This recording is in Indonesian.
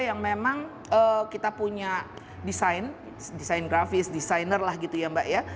yang memang kita punya desain desain grafis desainer lah gitu ya mbak ya